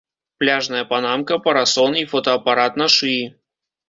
Пляжная панамка, парасон і фотаапарат на шыі.